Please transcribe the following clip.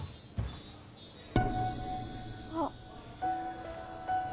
あっ。